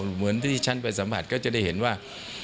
เหมือนที่ที่ฉันไปสัมผัสก็จะได้เห็นว่า